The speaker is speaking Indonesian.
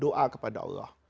doa kepada allah